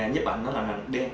nguyễn vinh hiển